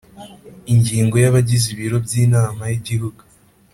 ingingo ya bagize ibiro by inama y igihugu